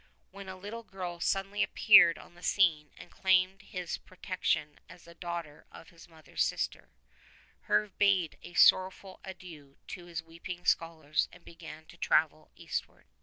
When a little girl suddenly appeared on the scene and claimed his protec tion as the daughter of his mother's sister, Herve bade a sorrowful adieu to his weeping scholars and began to travel eastward.